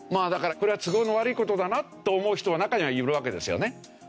だからこれは都合の悪い事だなと思う人は中にはいるわけですよね。